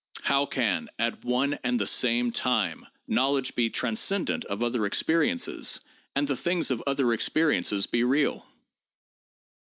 How can, at one and the same time, knowledge be tran scendent of other experiences, and the things of other experiences be real?